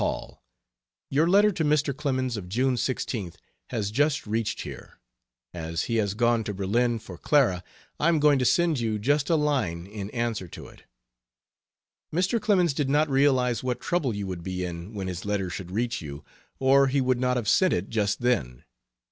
HALL, Your letter to Mr. Clemens of June 16th has just reached here; as he has gone to Berlin for Clara I am going to send you just a line in answer to it. Mr. Clemens did not realize what trouble you would be in when his letter should reach you or he would not have sent it just then.